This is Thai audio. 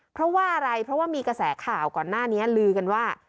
เพราะว่าอะไรเพราะว่ามีกระแสข่าวก่อนหน้านี้ลือกันว่า